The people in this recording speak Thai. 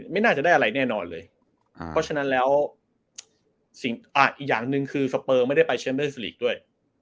ไม่น่าจะได้อะไรแน่นอนเลยเพราะฉะนั้นแล้วอีกอย่างหนึ่งคือสเปอร์ไม่ได้ไปแชมเดอร์สลีกด้วย